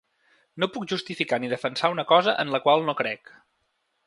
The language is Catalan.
No puc justificar ni defensar una cosa en la qual no crec.